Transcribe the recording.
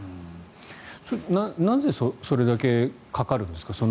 なぜそれだけかかるんですか？